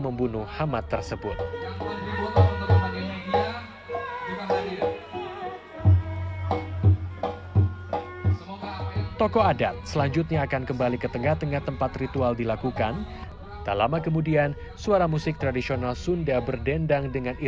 kehidupan kita ini akan seperti sebuah pertunjukan orkestra yang akan indah